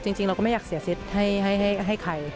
จริงเราก็ไม่อยากเสียเซตให้ใคร